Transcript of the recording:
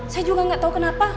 saya juga gak tau kenapa